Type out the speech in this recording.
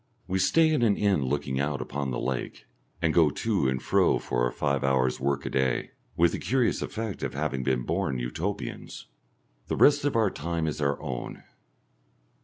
We stay in an inn looking out upon the lake, and go to and fro for our five hours' work a day, with a curious effect of having been born Utopians. The rest of our time is our own.